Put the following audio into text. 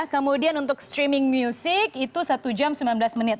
kemudian untuk streaming music itu satu jam sembilan belas menit